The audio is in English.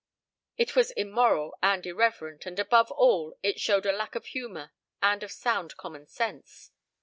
It was immoral and irreverent, and above all it showed a lack of humor and of sound common sense.